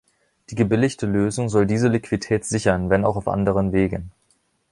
Die gebilligte Lösung soll diese Liquidität sichern, wenn auch auf anderen Wegen.